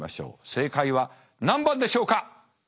正解は何番でしょうか？